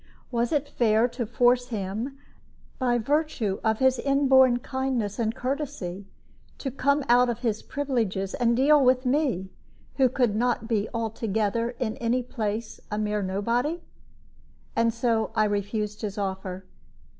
Was it fair to force him, by virtue of his inborn kindness and courtesy, to come out of his privileges and deal with me, who could not altogether be in any place a mere nobody? And so I refused his offer.